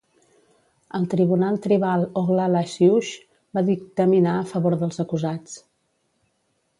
El Tribunal Tribal Oglala Sioux va dictaminar a favor dels acusats.